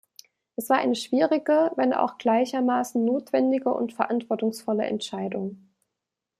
Es war eine schwierige, wenn auch gleichermaßen notwendige und verantwortungsvolle Entscheidung.